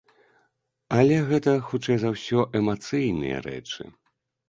Але гэта, хутчэй за ўсё, эмацыйныя рэчы.